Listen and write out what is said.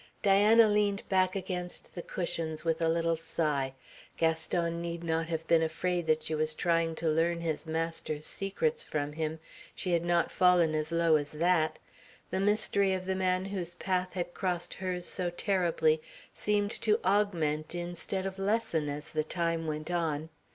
Diana leaned back against the cushions with a little sigh. Gaston need not have been afraid that she was trying to learn his master's secrets from him. She had not fallen as low as that. The mystery of the man whose path had crossed hers so terribly seemed to augment instead of lessen as the time went on.